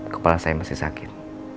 kepala saya masih sakit